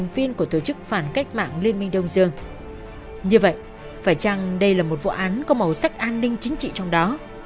phải chăng đây là một vụ án có màu sắc an ninh chính trị trong đó